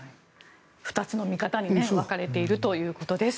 ２つの見方に分かれているということです。